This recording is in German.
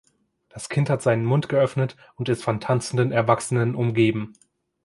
Das Kind hat seinen Mund geöffnet und ist von tanzenden Erwachsenen umgeben.